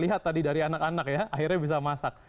lihat tadi dari anak anak ya akhirnya bisa masak